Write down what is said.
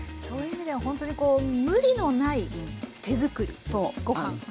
そういう意味ではほんとにこう無理のない手作りごはん。